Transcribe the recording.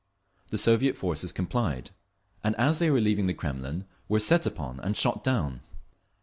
The Soviet forces complied, and as they were leaving the Kremlin, were set upon and shot down.